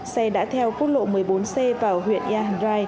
xe đã theo quốc lộ một mươi bốn xe vào huyện